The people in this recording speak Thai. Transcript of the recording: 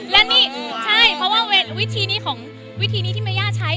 แล้วนี่ใช่เพราะว่าวิธีนี้ที่เมย่าใช้